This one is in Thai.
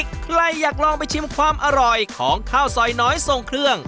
ใครอยากลองไปชิมความอร่อยของข้าวซอยน้อยทรงเครื่อง